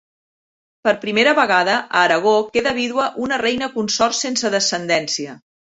Per primera vegada, a Aragó, queda vídua una reina consort sense descendència.